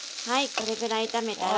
これぐらい炒めたら。